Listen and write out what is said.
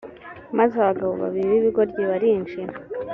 maze abagabo babiri b’ibigoryi barinjira